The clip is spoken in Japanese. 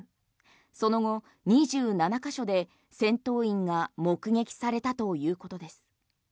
その後２７ヶ所で戦闘員が目撃されたということです。